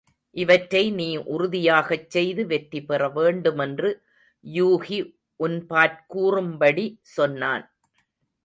இவற்றை நீ உறுதியாகச் செய்து வெற்றிபெற வேண்டு மென்று யூகி உன்பாற் கூறும்படி சொன்னான்.